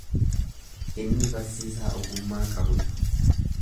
Inni barsiisaa ogummaa qabu dha.